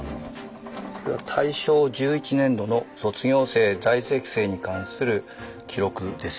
これは大正１１年度の卒業生在籍生に関する記録です。